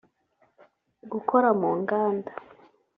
gukora mu nganda